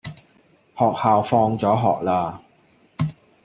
學校放咗學喇